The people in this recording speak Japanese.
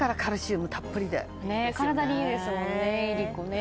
体にいいですもんねいりこね。